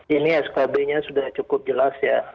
ini skb nya sudah cukup jelas ya